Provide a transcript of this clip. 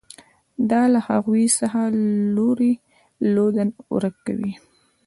دا له هغوی څخه لوری لودن ورک کوي.